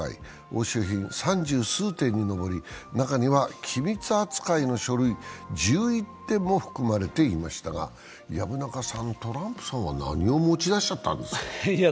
押収品三十数点に上り中には機密扱いの書類１１点も含まれていましたが、薮中さん、トランプさんは何を持ち出しちゃったんですか。